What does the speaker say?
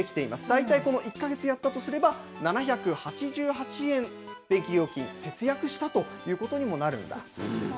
大体この１か月やったとすれば、７８８円、電気料金、節約したということにもなるんだそうです。